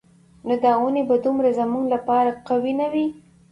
نو دا اونۍ به دومره زموږ لپاره قوي نه وي.